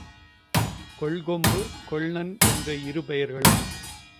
கொள்கொம்பு, கொள்நன் என்ற இரு பெயர்களும்